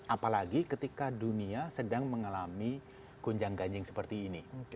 apalagi ketika dunia sedang mengalami gonjang ganjing seperti ini